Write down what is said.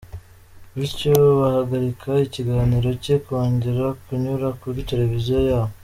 bityo bahagarika ikiganiro cye kongera kunyura kuri televiziyo yabo.